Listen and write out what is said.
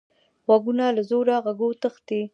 غوږونه له زوره غږو تښتي